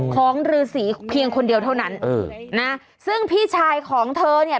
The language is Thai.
ของฤษีเพียงคนเดียวเท่านั้นเออนะซึ่งพี่ชายของเธอเนี่ย